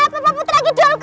kemampuan terakhir di ulku